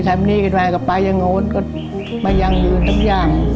ทำไมก็ไปยังโง่นก็ไม่ยังอยู่ทั้งอย่าง